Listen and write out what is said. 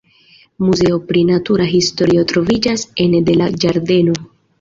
Muzeo pri natura historio troviĝas ene de la ĝardeno.